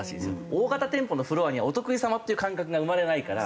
大型店舗のフロアにはお得意様っていう感覚が生まれないから。